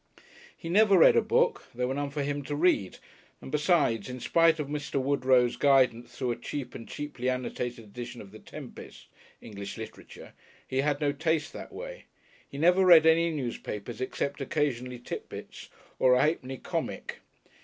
He never read a book; there were none for him to read, and besides, in spite of Mr. Woodrow's guidance through a cheap and cheaply annotated edition of the Tempest (English Literature) he had no taste that way; he never read any newspapers, except occasionally Tit Bits or a ha'penny "comic."